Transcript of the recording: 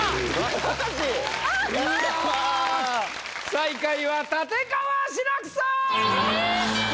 最下位は立川志らくさん。